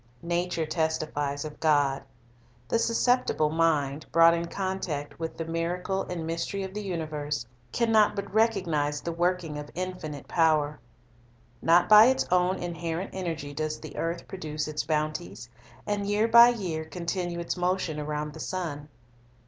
Nature testifies of God. The susceptible mind, brought in contact with the miracle and mystery of the universe, can not but recognize the working of Thc Pervading infinite power. Not by its own inherent energy does ui e the earth produce its bounties, and year by year con tinue its motion around the sun.